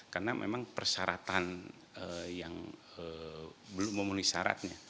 karena memang persyaratan yang belum memenuhi syaratnya